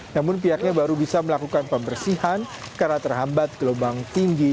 namun pihaknya baru bisa melakukan pembersihan karena terhambat gelombang tinggi